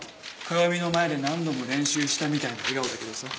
鏡の前で何度も練習したみたいな笑顔だけどさ。